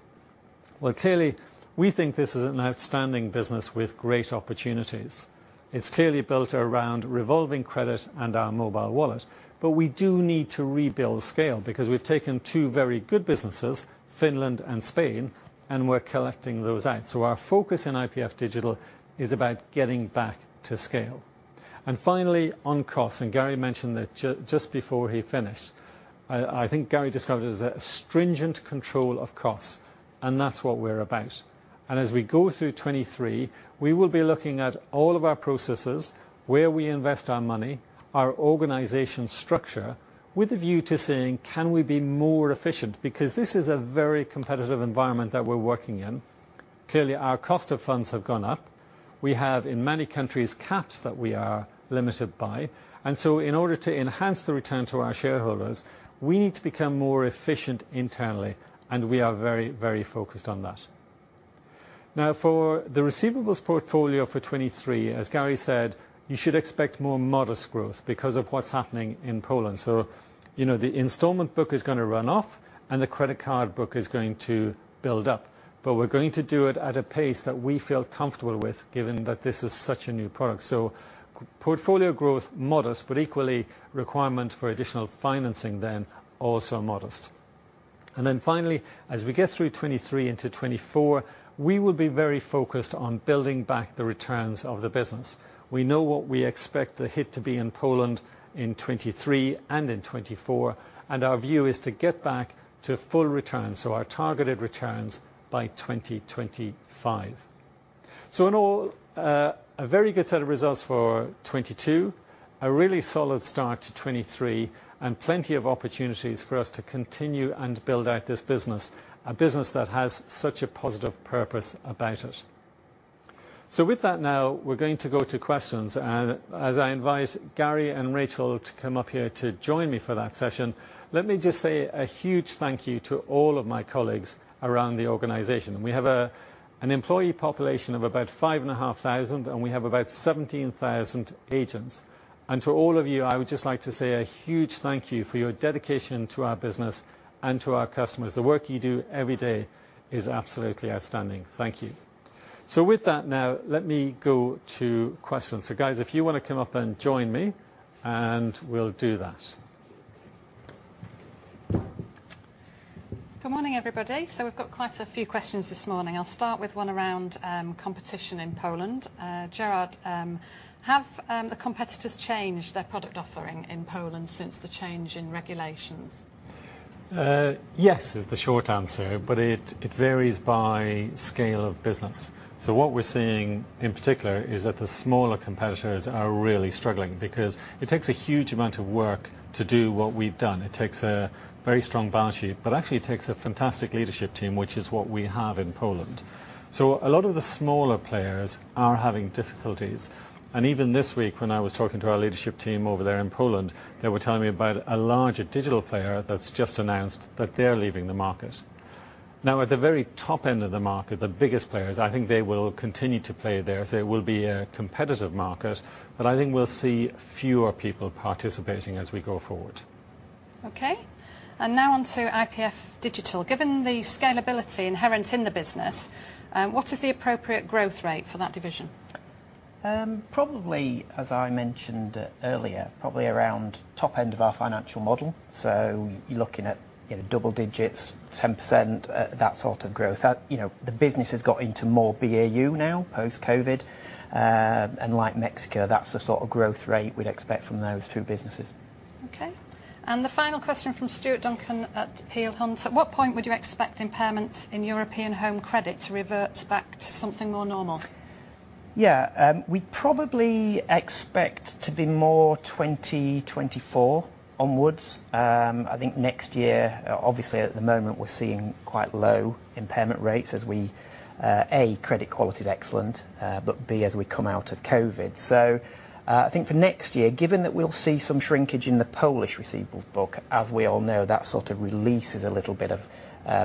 Well, clearly, we think this is an outstanding business with great opportunities. It's clearly built around revolving credit and our mobile wallet. We do need to rebuild scale because we've taken two very good businesses, Finland and Spain, and we're collecting those out. Our focus in IPF Digital is about getting back to scale. Finally, on costs, Gary mentioned it just before he finished. I think Gary described it as a stringent control of costs, and that's what we're about. As we go through 2023, we will be looking at all of our processes, where we invest our money, our organization structure with a view to saying, "Can we be more efficient?" This is a very competitive environment that we're working in. Clearly, our cost of funds have gone up. We have, in many countries, caps that we are limited by. In order to enhance the return to our shareholders, we need to become more efficient internally, and we are very, very focused on that. For the receivables portfolio for 2023, as Gary said, you should expect more modest growth because of what's happening in Poland. You know, the installment book is gonna run off, and the credit card book is going to build up. We're going to do it at a pace that we feel comfortable with, given that this is such a new product. Portfolio growth modest but equally requirement for additional financing then also modest. Finally, as we get through 2023 into 2024, we will be very focused on building back the returns of the business. We know what we expect the hit to be in Poland in 2023 and in 2024. Our view is to get back to full returns, so our targeted returns by 2025. In all, a very good set of results for 2022. A really solid start to 2023. Plenty of opportunities for us to continue and build out this business, a business that has such a positive purpose about it. With that now, we're going to go to questions. As I invite Gary and Rachel to come up here to join me for that session, let me just say a huge thank you to all of my colleagues around the organization. We have an employee population of about 5,500, and we have about 17,000 agents. To all of you, I would just like to say a huge thank you for your dedication to our business and to our customers. The work you do every day is absolutely outstanding. Thank you. With that now, let me go to questions. Guys, if you wanna come up and join me, and we'll do that. Good morning, everybody. We've got quite a few questions this morning. I'll start with one around competition in Poland. Gerard, have the competitors changed their product offering in Poland since the change in regulations? Yes is the short answer, it varies by scale of business. What we're seeing in particular is that the smaller competitors are really struggling because it takes a huge amount of work to do what we've done. It takes a very strong balance sheet, but actually it takes a fantastic leadership team, which is what we have in Poland. A lot of the smaller players are having difficulties. Even this week, when I was talking to our leadership team over there in Poland, they were telling me about a larger digital player that's just announced that they're leaving the market. At the very top end of the market, the biggest players, I think they will continue to play there. It will be a competitive market, but I think we'll see fewer people participating as we go forward. Okay. Now on to IPF Digital. Given the scalability inherent in the business, what is the appropriate growth rate for that division? Probably, as I mentioned earlier, probably around top end of our financial model. You're looking at, you know, double digits, 10%, that sort of growth. You know, the business has got into more BAU now, post-COVID. Like Mexico, that's the sort of growth rate we'd expect from those two businesses. Okay. The final question from Stuart Duncan at Peel Hunt. At what point would you expect impairments in European home credit to revert back to something more normal? Yeah. We probably expect to be more 2024 onwards. I think next year, obviously at the moment we're seeing quite low impairment rates as we, A, credit quality is excellent, but B, as we come out of COVID-19. I think for next year, given that we'll see some shrinkage in the Polish receivables book, as we all know, that sort of releases a little bit of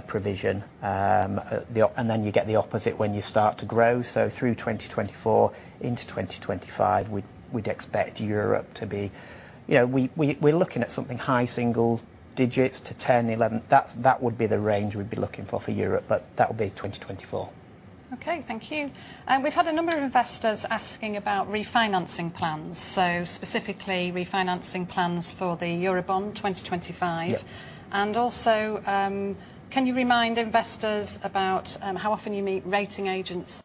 provision. You get the opposite when you start to grow. Through 2024 into 2025, we'd expect Europe to be... You know, we're looking at something high single digits to 10, 11. That would be the range we'd be looking for for Europe, but that would be 2024. Okay. Thank you. We've had a number of investors asking about refinancing plans. Specifically refinancing plans for the Eurobond 2025. Yeah. Can you remind investors about how often you meet rating agencies?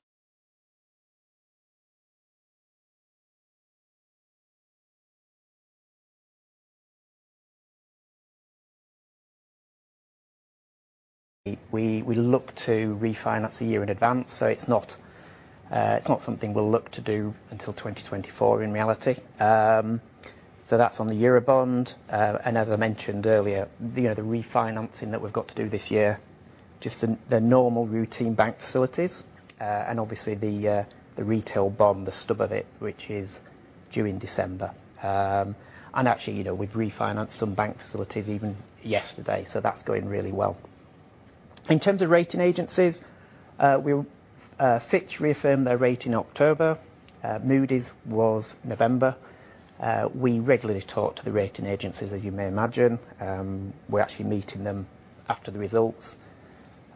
We look to refinance a year in advance, it's not something we'll look to do until 2024 in reality. That's on the Eurobond. As I mentioned earlier, you know, the refinancing that we've got to do this year, just the normal routine bank facilities, and obviously the retail bond, the stub of it, which is due in December. Actually, you know, we've refinanced some bank facilities even yesterday, so that's going really well. In terms of rating agencies, Fitch reaffirmed their rate in October. Moody's was November. We regularly talk to the rating agencies, as you may imagine. We're actually meeting them after the results.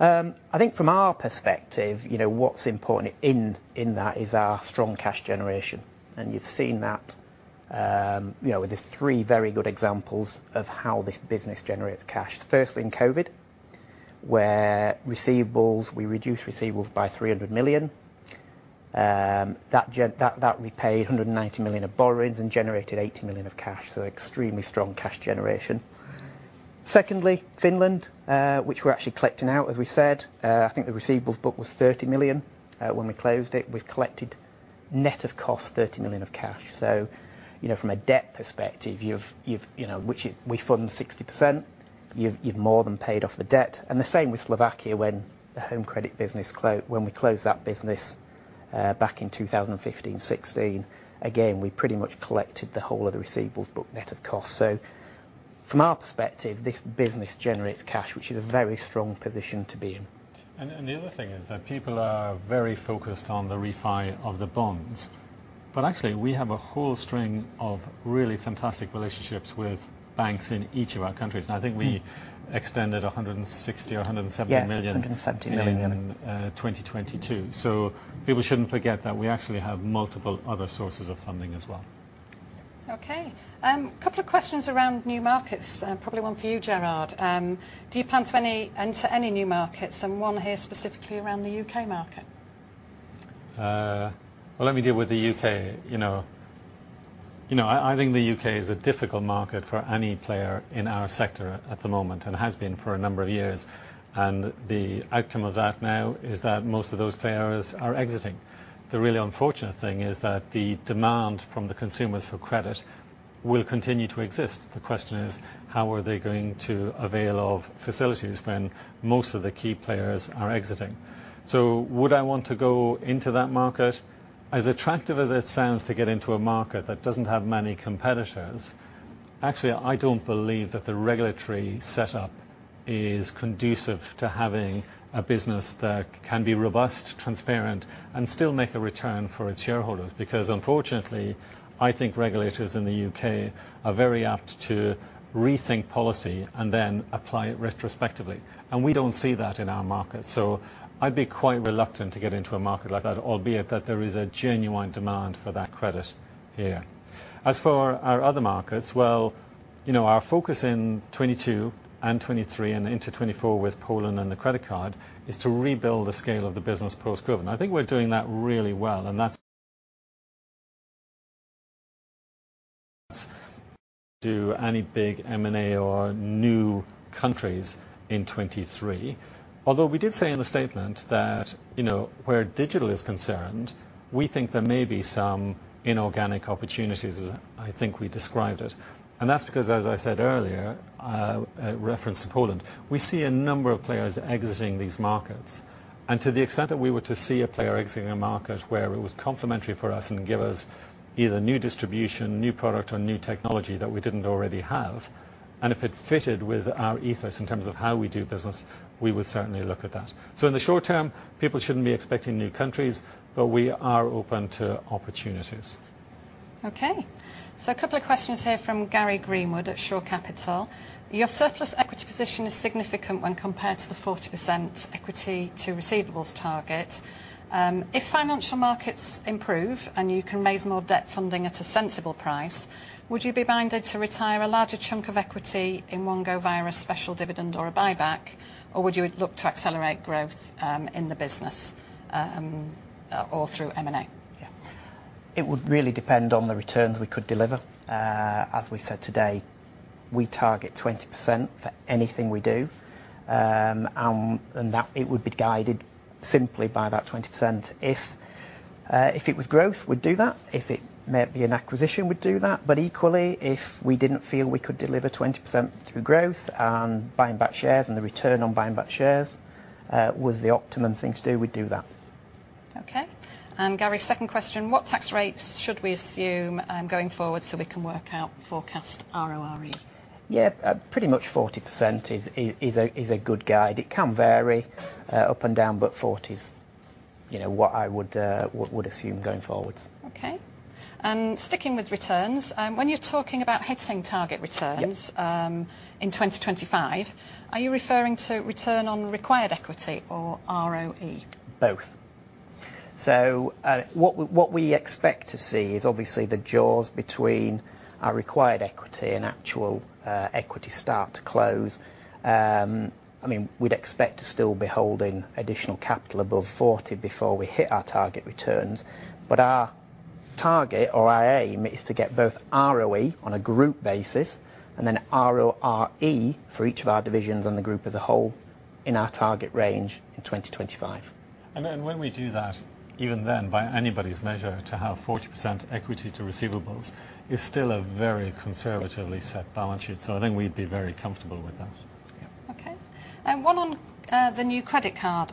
I think from our perspective, you know, what's important in that is our strong cash generation. You've seen that, you know, with the three very good examples of how this business generates cash. Firstly in COVID, where receivables, we reduced receivables by 300 million. That, that repaid 190 million of borrowings and generated 80 million of cash. Extremely strong cash generation. Secondly, Finland, which we're actually collecting out, as we said. I think the receivables book was 30 million when we closed it. We've collected net of cost, 30 million of cash. You know, from a debt perspective, you've, you know, which it we fund 60%. You've, you've more than paid off the debt. The same with Slovakia when the home credit business when we closed that business, back in 2015, 2016. We pretty much collected the whole of the receivables book net of cost. From our perspective, this business generates cash, which is a very strong position to be in. The other thing is that people are very focused on the refi of the bonds. Actually, we have a whole string of really fantastic relationships with banks in each of our countries. I think we extended 160 million or 170 million- Yeah. 170 million. ...in 2022. People shouldn't forget that we actually have multiple other sources of funding as well. Okay. couple of questions around new markets, probably one for you, Gerard. Do you plan to enter any new markets? one here specifically around the UK market? Well, let me deal with the U.K. You know, I think the UK is a difficult market for any player in our sector at the moment, and has been for a number of years. The outcome of that now is that most of those players are exiting. The really unfortunate thing is that the demand from the consumers for credit will continue to exist. The question is: How are they going to avail of facilities when most of the key players are exiting? Would I want to go into that market? As attractive as it sounds to get into a market that doesn't have many competitors, actually, I don't believe that the regulatory setup is conducive to having a business that can be robust, transparent, and still make a return for its shareholders. I think regulators in the U.K. are very apt to rethink policy and then apply it retrospectively, and we don't see that in our market. I'd be quite reluctant to get into a market like that, albeit that there is a genuine demand for that credit here. As for our other markets, well, you know, our focus in 2022 and 2023 and into 2024 with Poland and the credit card is to rebuild the scale of the business post-COVID. I think we're doing that really well, that's do any big M&A or new countries in 2023. We did say in the statement that, you know, where digital is concerned, we think there may be some inorganic opportunities, as I think we described it. That's because, as I said earlier, reference to Poland, we see a number of players exiting these markets. To the extent that we were to see a player exiting a market where it was complementary for us and give us either new distribution, new product, or new technology that we didn't already have, and if it fitted with our ethos in terms of how we do business, we would certainly look at that. In the short term, people shouldn't be expecting new countries, but we are open to opportunities. Okay. A couple of questions here from Gary Greenwood at Shore Capital. Your surplus equity position is significant when compared to the 40% equity to receivables target. If financial markets improve, and you can raise more debt funding at a sensible price, would you be minded to retire a larger chunk of equity in one go via a special dividend or a buyback, or would you look to accelerate growth in the business or through M&A? It would really depend on the returns we could deliver. As we said today, we target 20% for anything we do. That it would be guided simply by that 20%. If it was growth, we'd do that. If it may be an acquisition, we'd do that. Equally, if we didn't feel we could deliver 20% through growth and buying back shares and the return on buying back shares, was the optimum thing to do, we'd do that. Okay. Gary, second question, what tax rates should we assume, going forward so we can work out forecast RORE? Pretty much 40% is a good guide. It can vary up and down, but 40s, you know, what I would assume going forwards. Okay. Sticking with returns, when you're talking about hitting target returns. Yep. In 2025, are you referring to return on required equity or ROE? Both. what we expect to see is obviously the jaws between our required equity and actual equity start to close. I mean, we'd expect to still be holding additional capital above 40 before we hit our target returns. our target or our aim is to get both ROE on a group basis, and then RORE for each of our divisions on the group as a whole in our target range in 2025. When we do that, even then by anybody's measure to have 40% equity to receivables is still a very conservatively set balance sheet. I think we'd be very comfortable with that. Yeah. Okay. One on the new credit card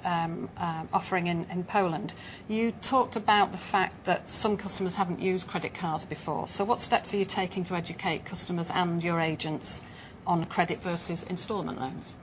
offering in Poland. You talked about the fact that some customers haven't used credit cards before. What steps are you taking to educate customers and your agents on credit versus installment loans?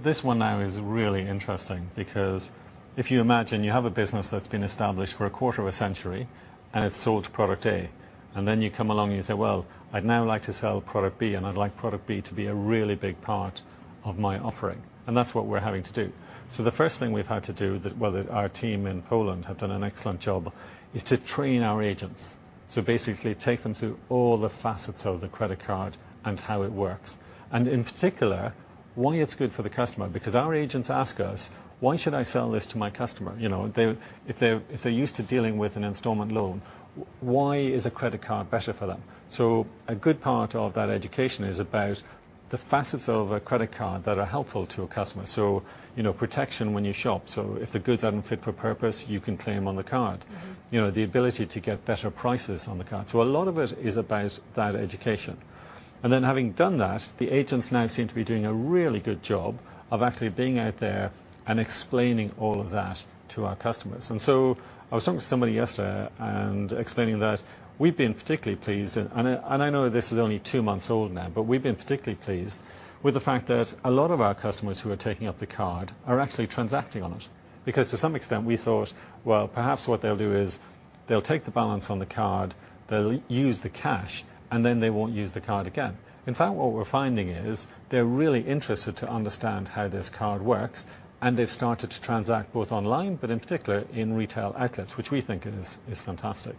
This one now is really interesting because if you imagine you have a business that's been established for a quarter of a century, and it's sold product A, and then you come along and you say, "Well, I'd now like to sell product B, and I'd like product B to be a really big part of my offering." That's what we're having to do. The first thing we've had to do that, well, our team in Poland have done an excellent job, is to train our agents. Basically take them through all the facets of the credit card and how it works, and in particular, why it's good for the customer. Because our agents ask us, "Why should I sell this to my customer?" You know, if they're used to dealing with an installment loan, why is a credit card better for them? A good part of that education is about the facets of a credit card that are helpful to a customer. You know, protection when you shop. If the goods aren't fit for purpose, you can claim on the card. Mm-hmm. You know, the ability to get better prices on the card. A lot of it is about that education. Having done that, the agents now seem to be doing a really good job of actually being out there and explaining all of that to our customers. I was talking to somebody yesterday and explaining that we've been particularly pleased and I, and I know this is only two months old now, but we've been particularly pleased with the fact that a lot of our customers who are taking up the card are actually transacting on it. Because to some extent we thought, well, perhaps what they'll do is they'll take the balance on the card, they'll use the cash, and then they won't use the card again. In fact, what we're finding is they're really interested to understand how this card works, and they've started to transact both online, but in particular in retail outlets, which we think is fantastic.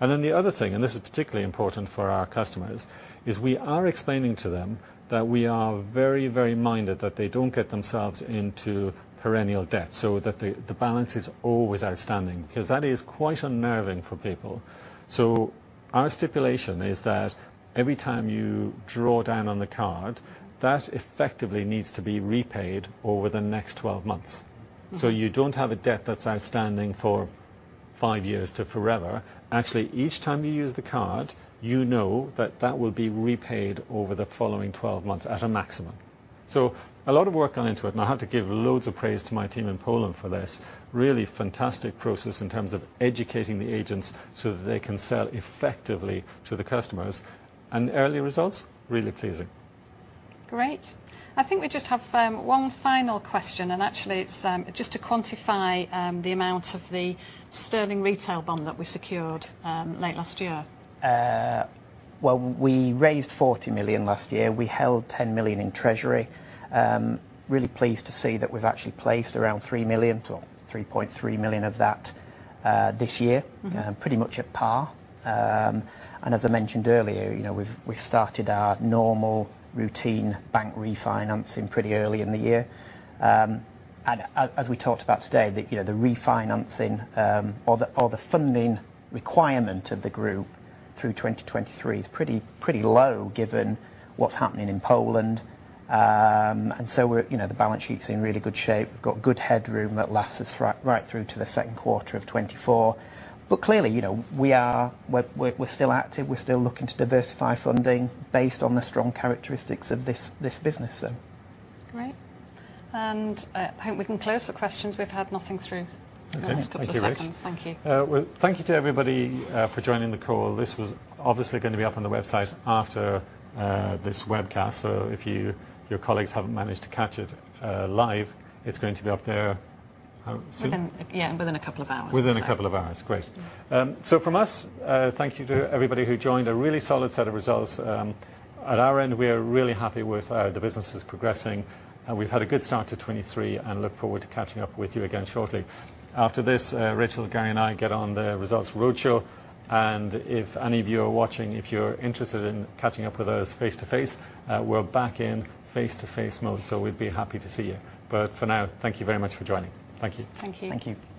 Mm-hmm. The other thing, and this is particularly important for our customers, is we are explaining to them that we are very, very minded that they don't get themselves into perennial debt, so that the balance is always outstanding, because that is quite unnerving for people. Our stipulation is that every time you draw down on the card, that effectively needs to be repaid over the next 12 months. Mm-hmm. You don't have a debt that's outstanding for five years to forever. Actually, each time you use the card, you know that that will be repaid over the following 12 months at a maximum. A lot of work gone into it, and I have to give loads of praise to my team in Poland for this really fantastic process in terms of educating the agents so that they can sell effectively to the customers. The early results, really pleasing. Great. I think we just have one final question, and actually it's just to quantify the amount of the sterling retail bond that we secured late last year. Well, we raised 40 million last year. We held 10 million in treasury. Really pleased to see that we've actually placed around 3 million to 3.3 million of that, this year. Mm-hmm. Pretty much at par. As I mentioned earlier, you know, we've started our normal routine bank refinancing pretty early in the year. As we talked about today, you know, the refinancing or the funding requirement of the group through 2023 is pretty low given what's happening in Poland. We're, you know, the balance sheet's in really good shape. We've got good headroom that lasts us right through to the second quarter of 2024. Clearly, you know, we're still active. We're still looking to diversify funding based on the strong characteristics of this business. Great. I hope we can close the questions. We've had nothing through. Okay. Thank you, Rach in the last couple of seconds. Thank you. Well, thank you to everybody for joining the call. This was obviously gonna be up on the website after this webcast. If you, your colleagues haven't managed to catch it, live, it's going to be up there, soon? Yeah, within a couple of hours. Within a couple of hours. Great. From us, thank you to everybody who joined. A really solid set of results. At our end, we are really happy with the businesses progressing, and we've had a good start to 2023 and look forward to catching up with you again shortly. After this, Rachel, Gary, and I get on the results roadshow, if any of you are watching, if you're interested in catching up with us face to face, we're back in face to face mode, so we'd be happy to see you. For now, thank you very much for joining. Thank you. Thank you. Thank you.